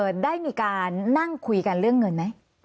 ได้มีการนั่งคุยกันเรื่องเงินไหม